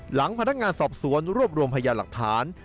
หลังพนักงานสอบสวนรวบรวมพยาหลักฐาน